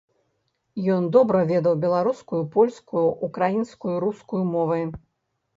Ён добра ведаў беларускую, польскую, украінскую, рускую мовы.